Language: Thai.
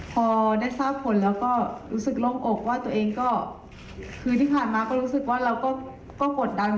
พอได้สร้างผล